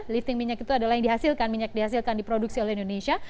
lifting minyak itu adalah yang dihasilkan minyak dihasilkan diproduksi oleh indonesia